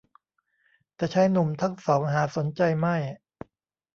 แต่ชายหนุ่มทั้งสองหาสนใจไม่